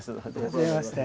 はじめまして。